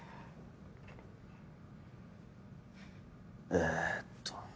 えっと